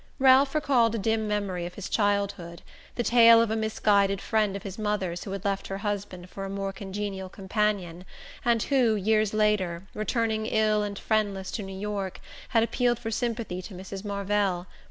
Ralph recalled a dim memory of his childhood, the tale of a misguided friend of his mother's who had left her husband for a more congenial companion, and who, years later, returning ill and friendless to New York, had appealed for sympathy to Mrs. Marvell.